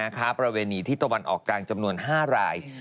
ประเวณีที่ตะวันออกกลางจำนวน๕ราย